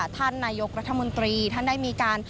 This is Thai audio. ท่านนายกรัฐมนตรีท่านได้มีการ